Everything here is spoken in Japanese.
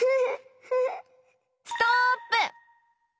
ストップ！